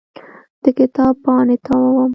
د کتاب پاڼې تاووم.